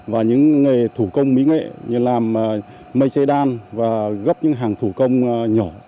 và những nghề thủ công mỹ nghệ như làm mây chế đan và góp những hàng thủ công nhỏ